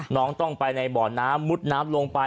น้องต้องไปในบ่อน้ำมุดน้ำลงไป